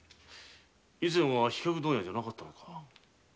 以前は飛脚問屋ではなかったのか。